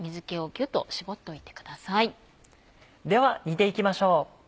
では煮ていきましょう。